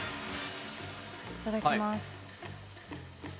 いただきます。